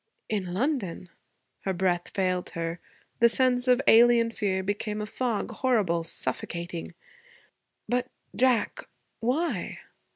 'In London?' Her breath failed her. The sense of alien fear became a fog, horrible, suffocating. 'But Jack why?'